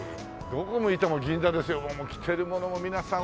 どこ向いても銀座ですよ。着てるものも皆さん